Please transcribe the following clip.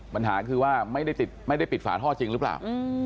ปัญหาคือว่าไม่ได้ติดไม่ได้ปิดฝาท่อจริงหรือเปล่า